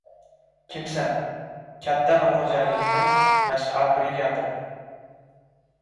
Kimsan — katta bir xo‘jalikni mash’al brigadiri!